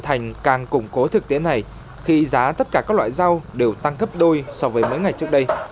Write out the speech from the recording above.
thành càng củng cố thực tế này khi giá tất cả các loại rau đều tăng gấp đôi so với mấy ngày trước đây